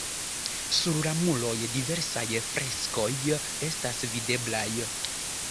Sur la muroj diversaj freskoj estas videblaj.